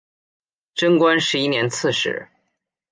贞观十一年刺史。